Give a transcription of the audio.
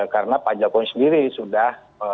karena pak jokowi sendiri sudah